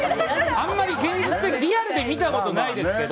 あまり、リアルで見たことないですけど。